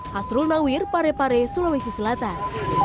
hasrul nawir parepare sulawesi selatan